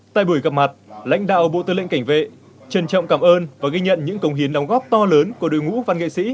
tại buổi gặp mặt lãnh đạo bộ tư lệnh cảnh vệ trân trọng cảm ơn và ghi nhận những công hiến đóng góp to lớn của đội ngũ văn nghệ sĩ